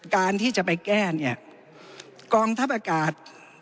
การที่จะไปแก้เนี่ยกองทัพอากาศ